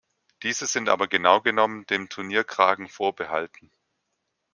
Diese sind aber genau genommen dem Turnierkragen vorbehalten.